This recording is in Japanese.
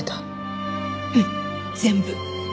うん全部。